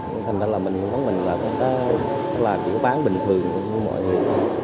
nên thành ra là mình cũng vấn đề là kiểu bán bình thường của mọi người